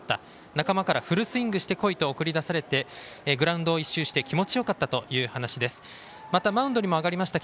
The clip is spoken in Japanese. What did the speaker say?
仲間からフルスイングしてこいと送り出されてグラウンドを１周して気持ちよかったと話していました。